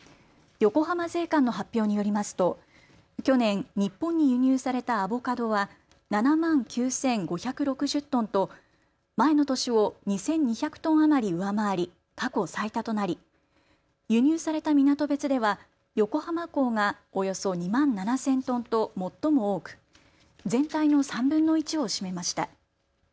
横浜税関の発表によりますと去年、日本に輸入されたアボカドは７万９５６０トンと前の年を２２００トン余り上回り、過去最多となり、輸入された港別では横浜港がおよそ２万７０００トンと最も多く、全体の３分の１を占めました。